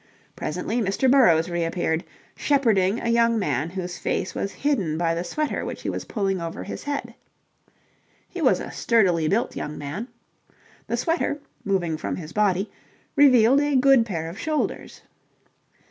Presently Mr. Burrowes reappeared, shepherding a young man whose face was hidden by the sweater which he was pulling over his head. He was a sturdily built young man. The sweater, moving from his body, revealed a good pair of shoulders.